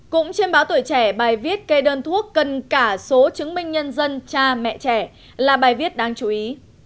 cũng trên báo tuổi trẻ bài viết kê đơn thuốc cần cả số chứng minh nhân dân cha mẹ trẻ là bài viết đáng chú ý